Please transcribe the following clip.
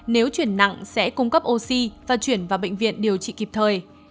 nếu chuyển nặng sẽ cung cấp oxy và chuyển vào bệnh viện điều trị kịp thời